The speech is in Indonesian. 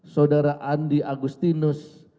saudara andi agustinus